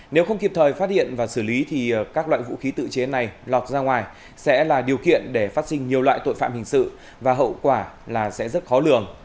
nếu không kịp thời phát hiện và xử lý thì các loại vũ khí tự chế này lọt ra ngoài sẽ là điều kiện để phát sinh nhiều loại tội phạm hình sự và hậu quả là sẽ rất khó lường